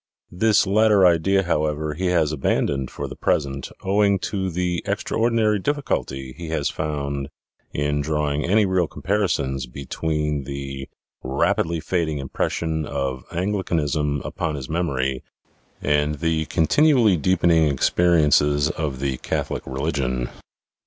This latter idea, however, he has abandoned for the present, owing to the extraordinary difficulty he has found in drawing any real comparisons between the rapidly fading impression of Anglicanism upon his memory, and the continually deepening experi viii PREFACE ences of the Catholic religion.